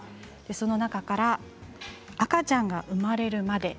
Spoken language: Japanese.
その中から「あかちゃんがうまれるまで」